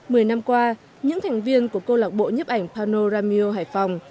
mười năm qua những thành viên của câu lạc bộ nhấp ảnh pano romeo hải phòng